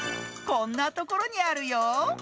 こんなところにあるよ。